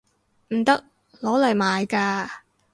唔得！攞嚟賣㗎